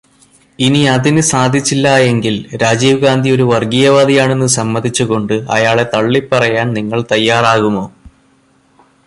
ഇനി അതിന് സാധിച്ചില്ലായെങ്കിൽ, രാജീവ് ഗാന്ധി ഒരു വർഗീയവാദിയാണെന്ന് സമ്മതിച്ചു കൊണ്ട്, അയാളെ തള്ളിപറയാൻ നിങ്ങൾ തയ്യാറാകുമോ?